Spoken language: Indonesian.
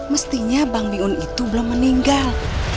mestinya bang biun itu belum meninggal